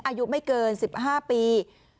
อายุไม่เกิน๑๕ปี